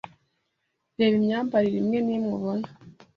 reba imyambarire imwe n'imwe ubona